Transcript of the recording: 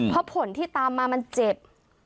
เพราะผลที่ตามมามันเจ็บ